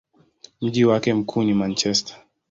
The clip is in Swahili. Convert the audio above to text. Mji wake mkuu ni Manchester.